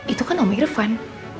itu kan om irfan